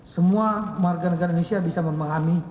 semua warga negara indonesia bisa memahami